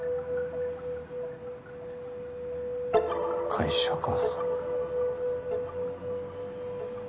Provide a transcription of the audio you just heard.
会社か。